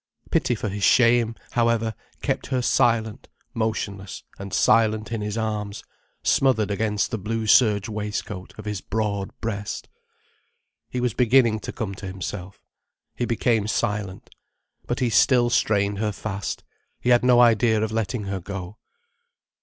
Pity for his shame, however, kept her silent, motionless and silent in his arms, smothered against the blue serge waistcoat of his broad breast. He was beginning to come to himself. He became silent. But he still strained her fast, he had no idea of letting her go.